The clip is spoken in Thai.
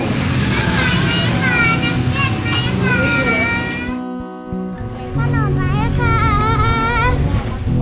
สนภาษาไหมคะนักเจ็บไหมคะ